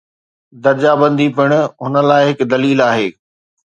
درجه بندي پڻ هن لاء هڪ دليل آهي.